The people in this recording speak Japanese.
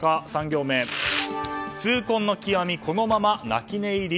３行目、痛恨の極みこのまま泣き寝入り？